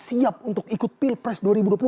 siap untuk ikut pilpres dua ribu dua puluh empat